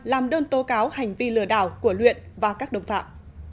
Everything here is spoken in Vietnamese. làm đơn tố cáo hành vi lừa đảo của luyện và các đồng phạm